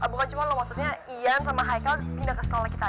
bukan cuma loh maksudnya ian sama haikal pindah ke sekolah kita